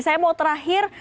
saya mau terakhir